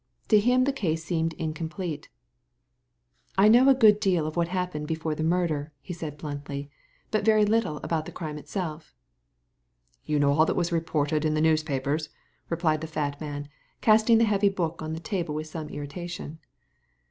To him the case seemed incomplete. '' I know a good deal of what happened before the murder," he said bluntly, '* but very little about the crime itself." ''You know all that was reported in the news* papers," replied the fat man, casting the heavy book on the table with some irritation.